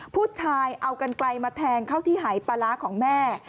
ผู้ชายเอากันไกลมาแทงเข้าที่หายปลาร้าของแม่